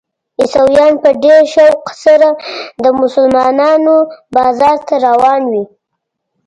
عیسویان په ډېر شوق سره د مسلمانانو بازار ته روان وي.